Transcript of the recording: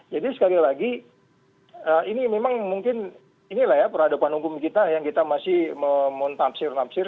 jadi sekali lagi ini memang mungkin inilah ya peradaban hukum kita yang kita masih men tapsir tapsir